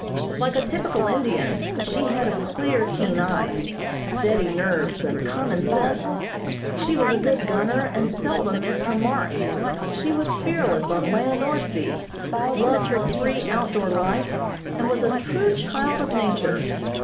Like a typical Indian, she had a clear, keen eye, steady nerves and common sense. She was a good gunner and seldom missed her mark. She was fearless on land or sea, loved her free out door life, and was a true child of nature.